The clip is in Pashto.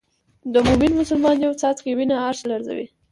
د مومن مسلمان یو څاڅکی وینه عرش لړزوي.